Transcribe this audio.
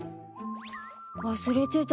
忘れてた。